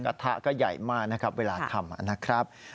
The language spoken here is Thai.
กระทะก็ใหญ่มากนะครับเวลาทำนะครับ